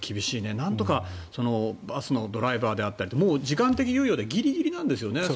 なんとかバスのドライバーだったりもう時間的猶予はギリギリなんですよね。